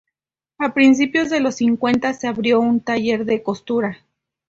A principios de los cincuenta se abrió un taller de costura.